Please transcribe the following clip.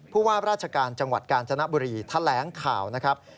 ผู้ว่าราชการจังหวัดกาญจนบุรีแถลงข่าวนะครับ